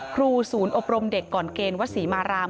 ครูศูนย์อบรมเด็กก่อนเกณฑ์วัดศรีมาราม